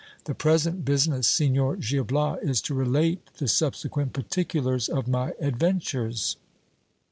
The present business, Signor Gil Bias, is to relate the subsequent particulars of my adven tures.